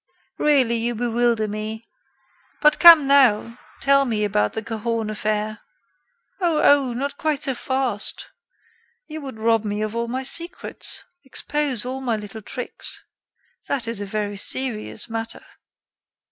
Really, you bewilder me. But, come now, tell me about the Cahorn affair." "Oh! oh! not quite so fast! You would rob me of all my secrets; expose all my little tricks. That is a very serious matter."